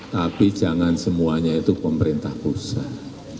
tapi jangan semuanya itu pemerintah pusat